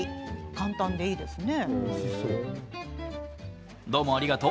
簡単でいいですね。